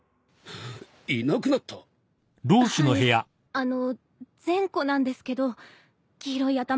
あの善子なんですけど黄色い頭の。